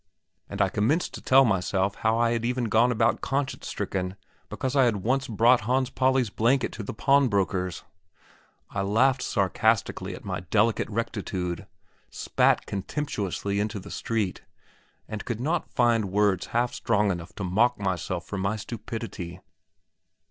And I commenced to tell myself how I had even gone about conscience stricken because I had once brought Hans Pauli's blanket to the pawn broker's. I laughed sarcastically at my delicate rectitude, spat contemptuously in the street, and could not find words half strong enough to mock myself for my stupidity.